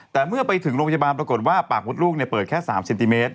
แต่เมื่อไปถึงโรงพยาบาลปรากฏว่าปากมดลูกเปิดแค่๓เซนติเมตร